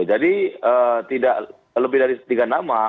jadi tidak lebih dari tiga nama